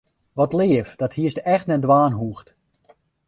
Wat leaf, dat hiest echt net dwaan hoegd.